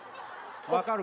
分かるか？